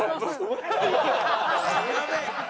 やべえ！